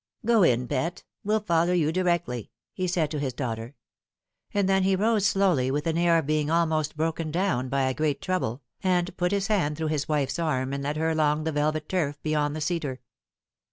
" Go in, pet. Well follow you directly," he said to hia daughter ; and then he rose slowly, with an air of being almost broken down by a great trouble, and put his hand through his wife's arm, and led her along the velvet turf beyond the cedar.